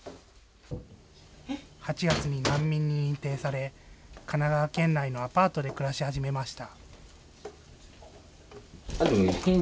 ８月に難民に認定され、神奈川県内のアパートで暮らし始めました。